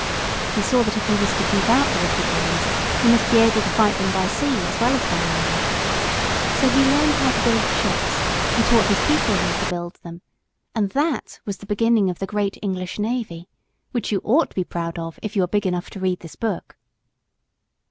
He saw that if he was to keep out the wicked Danes he must be able to fight them by sea as well as by land. So he learned how to build ships and taught his people how to build them, and that was the beginning of the great English navy, which you ought to be proud of if you are big enough to read this book.